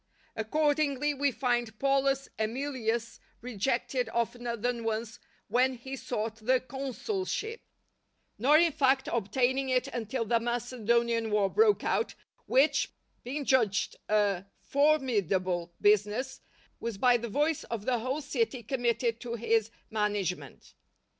Accordingly we find Paulus Emilius rejected oftener than once when he sought the consulship; nor, in fact, obtaining it until the Macedonian war broke out, which, being judged a formidable business, was by the voice of the whole city committed to his management.